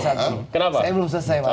saya belum selesai bang